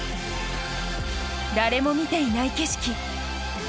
誰も見ていない景色